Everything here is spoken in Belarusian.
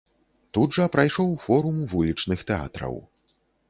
Тут жа прайшоў форум вулічных тэатраў.